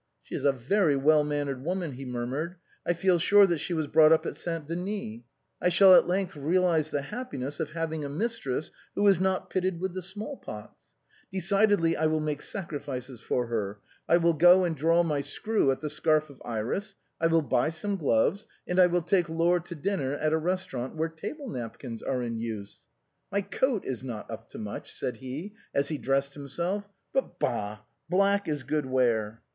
She is a very well mannered woman," he murmured ;" I feel sure that she was brought up at Saint Denis. I shall at length realize the happiness of having a mistress who is not pitted with the small pox. Decidedly I will make sacrifices for her. I will go and draw my screw at ' The Scarf of Iris.' I will buy some gloves ; and I will take Laure to dinner at a restaurant where table napkins are in use. My coat is not up to much," said he, as be dressed himself ;" but, bah ! black is good wear."